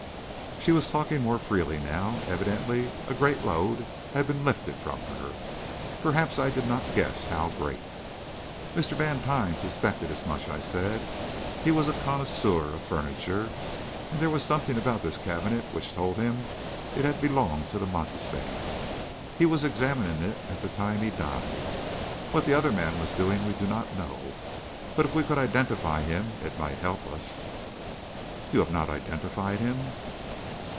She was talking more freely now; evidently a great load had been lifted from her perhaps I did not guess how great! "Mr. Vantine suspected as much," I said. "He was a connoisseur of furniture, and there was something about this cabinet which told him it had belonged to the Montespan. He was examining it at the time he died. What the other man was doing, we do not know, but if we could identify him, it might help us." "You have not identified him?"